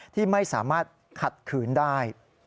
ที่ไม่สามารถขัดขืนได้